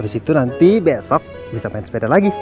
habis itu nanti besok bisa main sepeda lagi